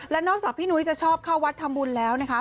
และนอกจากพี่นุ้ยจะชอบเข้าวัดทำบุญแล้วนะคะ